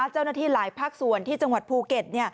เจ้าหน้าที่หลายภาคส่วนที่จังหวัดภูเก็ต